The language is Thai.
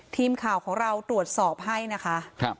ทีมข่าวของเราตรวจสอบให้นะคะ